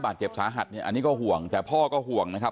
บาดเจ็บสาหัสเนี่ยอันนี้ก็ห่วงแต่พ่อก็ห่วงนะครับ